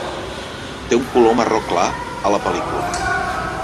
Té un color marró clar a la pel·lícula.